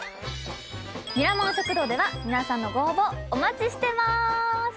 ミラモン食堂では皆さんのご応募お待ちしてます。